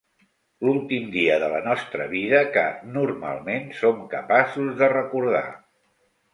L'últim dia de la nostra vida que, normalment, som capaços de recordar.